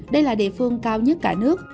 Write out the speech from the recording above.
đây là địa phương cao nhất cả nước